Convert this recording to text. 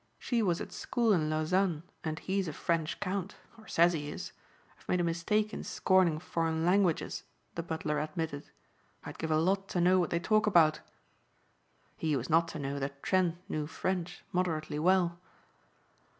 She was at school in Lausanne and he's a French count, or says he is. I've made a mistake in scorning foreign languages," the butler admitted, "I'd give a lot to know what they talk about." He was not to know that Trent knew French moderately well.